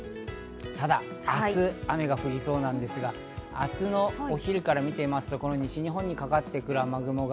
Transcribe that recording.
ただ明日、雨が降りそうなんですが、明日のお昼から見てみますと西日本にかかってくる雨雲が。